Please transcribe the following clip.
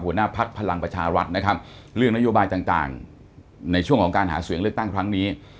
พักพลังประชารัฐนะครับเรื่องนโยบายต่างในช่วงของการหาเสียงเลือกตั้งครั้งนี้